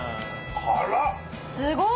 辛っ！